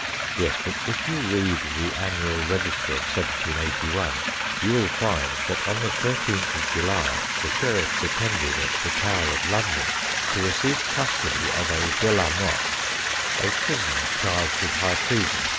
Yes, but if you read the Annual Register of 1781, you will find that on the 13th July the sheriffs attended at the TOWER OF LONDON to receive custody of a De la Motte, a prisoner charged with high treason.